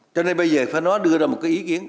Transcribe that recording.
cho nên bây giờ phải nói đưa ra một cái ý kiến